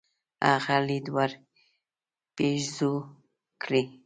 هغه ليد ورپېرزو کړي.